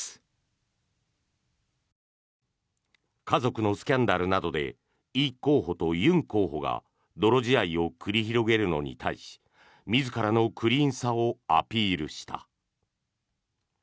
家族のスキャンダルなどでイ候補とユン候補が泥仕合を繰り広げるのに対し自らのクリーンさをアピールした。